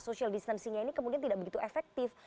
social distancingnya ini kemudian tidak begitu efektif